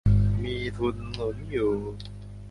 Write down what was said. มีทุนหนุนอยู่